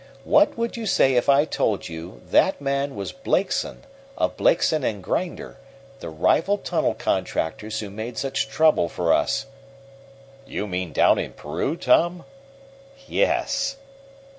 What would you say if I told you that man was Blakeson, of Blakeson and Grinder, the rival tunnel contractors who made such trouble for us?" "You mean down in Peru, Tom?" "Yes."